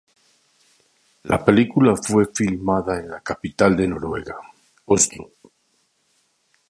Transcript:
La película fue filmada en la capital de Noruega, Oslo.